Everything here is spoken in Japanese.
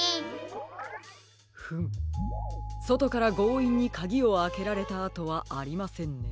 フムそとからごういんにかぎをあけられたあとはありませんね。